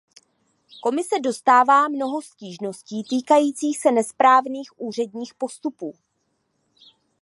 Komise dostává mnoho stížností týkajících se nesprávných úředních postupů.